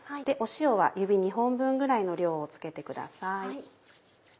塩は指２本分ぐらいの量を付けてください。